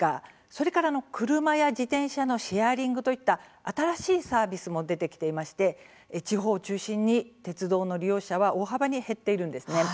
それから車や自転車のシェアリングといった新しいサービスも出てきていまして地方を中心に鉄道の利用者は大幅に減っているんです。